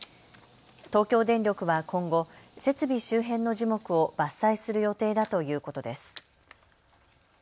東京電力は今後、設備周辺の樹木を伐採する予定だということです。